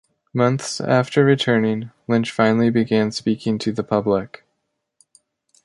Months after returning, Lynch finally began speaking to the public.